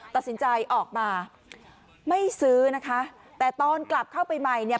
ตัดสินใจออกมาไม่ซื้อนะคะแต่ตอนกลับเข้าไปใหม่เนี่ย